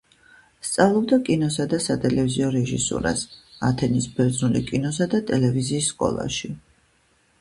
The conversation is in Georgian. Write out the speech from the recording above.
სწავლობდა კინოსა და სატელევიზიო რეჟისურას ათენის ბერძნული კინოსა და ტელევიზიის სკოლაში.